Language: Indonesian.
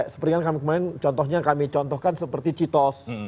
seperti yang kami contohkan seperti citos